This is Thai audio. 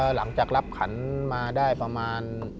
หลังจากรับขันมาได้ประมาณ